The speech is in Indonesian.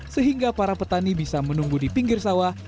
sehingga para petani bisa menunggu di pinggir sawah